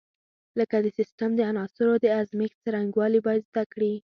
لکه د سیسټم د عناصرو د ازمېښت څرنګوالي باید زده کړي.